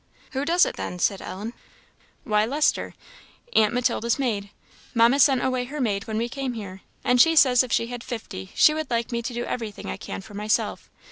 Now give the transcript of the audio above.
"Who does it, then?" said Ellen. "Why, Lester aunt Matilda's maid. Mamma sent away her maid when we came here, and she says if she had fifty she would like me to do everything I can for myself.